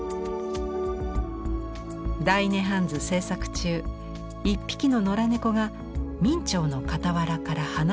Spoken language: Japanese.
「大涅槃図」制作中一匹の野良猫が明兆の傍らから離れようとしませんでした。